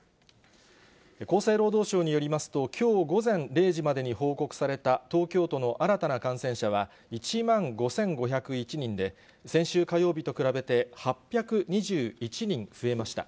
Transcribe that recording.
厚生労働省によりますと、きょう午前０時までに報告された東京都の新たな感染者は、１万５５０１人で、先週火曜日と比べて８２１人増えました。